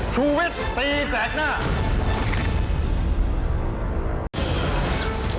ชูเวทตีแสกหน้า